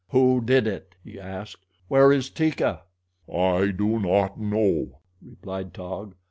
"Who did it?" he asked. "Where is Teeka?" "I do not know," replied Taug.